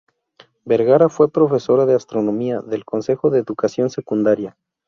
Vergara fue profesora de Astronomía del Consejo de Educación Secundaria.